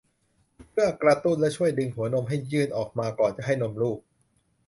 เพื่อกระตุ้นและช่วยดึงหัวนมให้ยื่นออกมาก่อนจะให้นมลูก